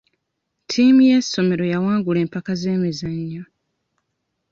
Ttiimu y'essomero yawangula empaka z'emizannyo.